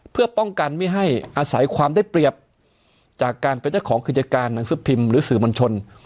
เพื่อป้องกันไม่ให้อาศัยความได้เปรียบจากการเป็นเจ้าของกิจการหนังสือพิมพ์หรือสื่อมวลชน